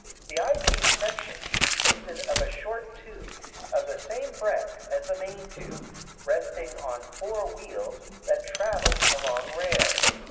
The eyepiece section consisted of a short tube, of the same breadth as the main tube, resting on four wheels that travelled along rails.